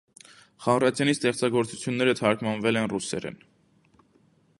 Խառատյանի ստեղծագործությունները թարգմանվել են ռուսերեն։